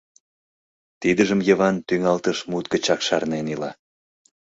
Тидыжым Йыван тӱҥалтыш мут гычак шарнен ила.